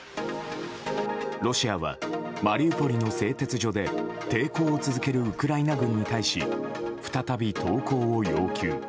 ロシアはマリウポリの製鉄所で抵抗を続けるウクライナ軍に対し再び投降を要求。